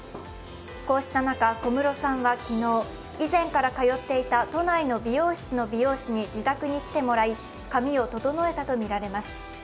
こうした中、小室さんは昨日、以前から通っていた都内の美容室の美容師に自宅に来てもらい、髪を整えたとみられます。